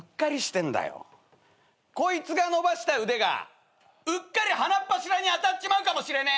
こいつが伸ばした腕がうっかり鼻っ柱に当たっちまうかもしれねえな！